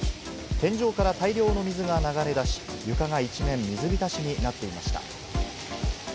天井から大量の水が流れ出し、床が一面水浸しになっていました。